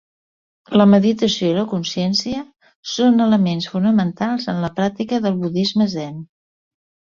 La meditació i la consciència són elements fonamentals en la pràctica del budisme zen.